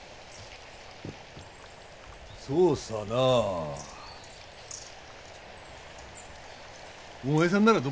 そうさな。